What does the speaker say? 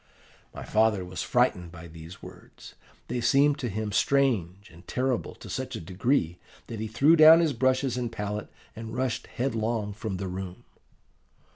"My father was frightened by these words: they seemed to him strange and terrible to such a degree, that he threw down his brushes and palette and rushed headlong from the room.